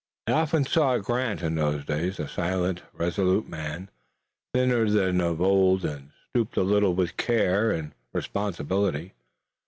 He often saw Grant in those days, a silent, resolute man, thinner than of old and stooped a little with care and responsibility.